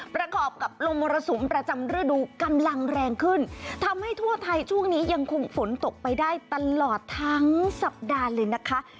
ประกอบกับลมมรสุมประจำฤดูกำลังแรงขึ้นทำให้ทั่วไทยช่วงนี้ยังคงฝนตกไปได้ตลอดทั้งสัปดาห์เลยนะคะ